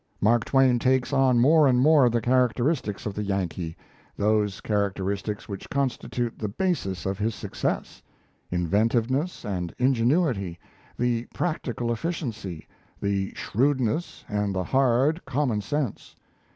Mark Twain takes on more and more of the characteristics of the Yankee those characteristics which constitute the basis of his success: inventiveness and ingenuity, the practical efficiency, the shrewdness and the hard common sense.